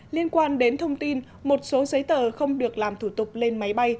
liên quan đến thông tin một số giấy tờ không được làm thủ tục lên máy bay